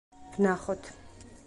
ვნახოთ.